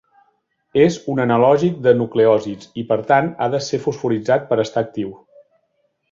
És un analògic de nucleòsids i, per tant, ha de ser fosforitzat per estar actiu.